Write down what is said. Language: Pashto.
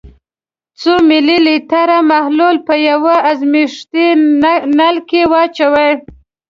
څو ملي لیتره محلول په یو ازمیښتي نل کې واچوئ.